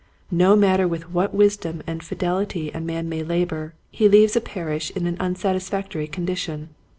No matter with what wisdom and fidelity a man may labor he leaves a parish in an unsatisfactory condition.